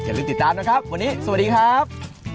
ลืมติดตามนะครับวันนี้สวัสดีครับ